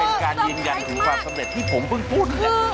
เป็นการยืนยันถึงความสำเร็จที่ผมเพิ่งพูด